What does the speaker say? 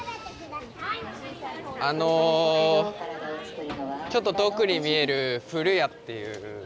あのちょっと遠くに見えるフルヤっていう。